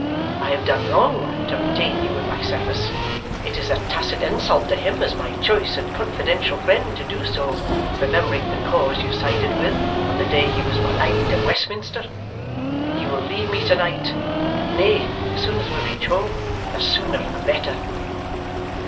I have done wrong to retain you in my service. It is a tacit insult to him as my choice and confidential friend to do so, remembering the cause you sided with, on the day he was maligned at Westminster. You will leave me to night nay, as soon as we reach home. The sooner the better.